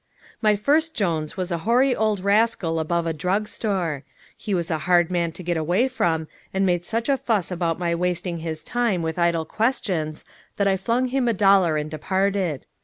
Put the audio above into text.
My first Jones was a hoary old rascal above a drug store. He was a hard man to get away from, and made such a fuss about my wasting his time with idle questions that I flung him a dollar and departed.